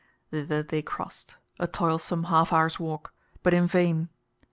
Thither they crossed a toilsome half hour's walk but in vain.